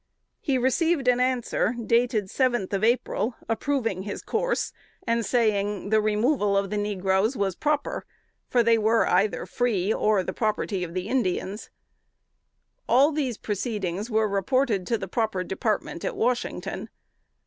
He received an answer, dated seventh of April, approving his course, and saying, "the removal of the negroes was proper; they were either free, or the property of the Indians." All these proceedings were reported to the proper Department at Washington.